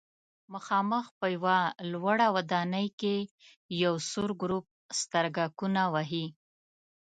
مخامخ په یوه لوړه ودانۍ کې یو سور ګروپ سترګکونه وهي.